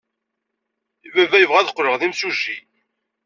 Baba yebɣa ad qqleɣ d imsujji.